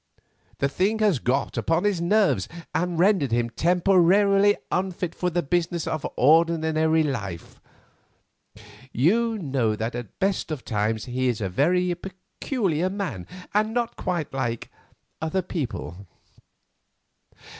The thing has got upon his nerves and rendered him temporarily unfit for the business of ordinary life. You know that at the best of times he is a very peculiar man and not quite like other people.